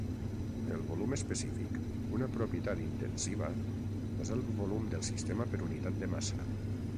El volum específic, una propietat intensiva, és el volum del sistema per unitat de massa.